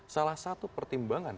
salah satu pertimbangan